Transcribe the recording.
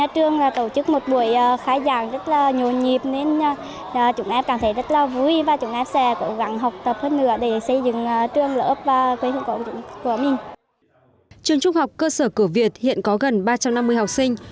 trường trung học cơ sở cửa việt hiện có gần ba trăm năm mươi học sinh